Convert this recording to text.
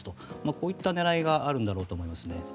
こういった狙いがあるんだろうと思いますね。